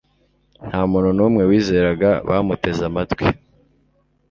Nta muntu numwe wizeraga Bamuteze amatwi